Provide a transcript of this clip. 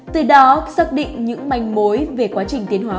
từ đó xác định những manh mối về quá trình tiến hóa